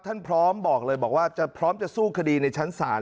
ท่านพร้อมบอกเลยบอกว่าจะพร้อมจะสู้คดีในชั้นศาล